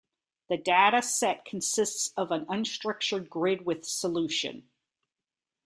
The dataset consists of an unstructured grid with solution.